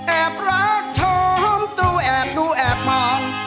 แอบรักชมตัวแอบดูแอบมอง